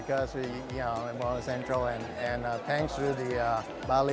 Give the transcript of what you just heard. karena kita di morotai sentral dan terima kasih dari bali